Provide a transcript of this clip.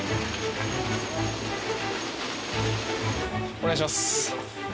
お願いします。